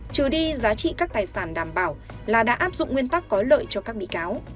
trừ đi giá trị các tài sản đảm bảo là đã áp dụng nguyên tắc có lợi cho các bị cáo